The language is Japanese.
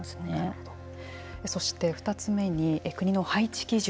そして、２つ目に国の配置基準。